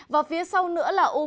và phía sau nữa là u một mươi